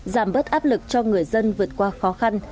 giảm bớt áp lực cho người dân vượt qua khó khăn